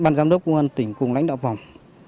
nguyên tỉnh cùng lãnh đạo phòng